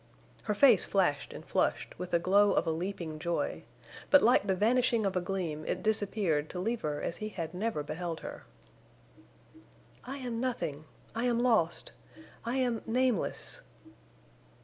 Her face flashed and flushed with the glow of a leaping joy; but like the vanishing of a gleam it disappeared to leave her as he had never beheld her. "I am nothing—I am lost—I am nameless!"